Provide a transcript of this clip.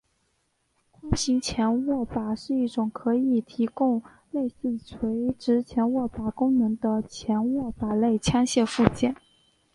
宽型前握把是一种可以提供类似垂直前握把功能的前握把类枪械附件。